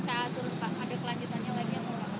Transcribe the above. setelah tkp atur pak ada kelanjutannya lagi apa